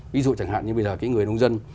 ví dụ chẳng hạn như bây giờ cái người nông dân